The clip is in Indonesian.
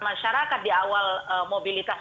masyarakat di awal mobilitas